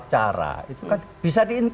cara itu kan bisa